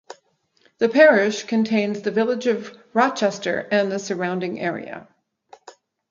The parish contains the village of Rocester and the surrounding area.